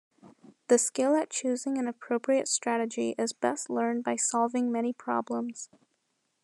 The skill at choosing an appropriate strategy is best learned by solving many problems.